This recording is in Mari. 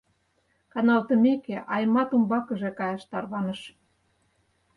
Каналтымеке, Аймат умбакыже каяш тарваныш.